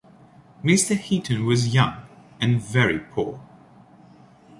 Mr. Heaton was young, and very poor.